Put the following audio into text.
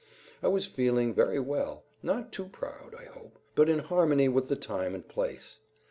I was feeling very well; not too proud, I hope, but in harmony with the time and place.